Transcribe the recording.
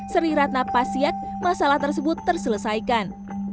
sri ratna pasiak masalah tersebut terselesaikan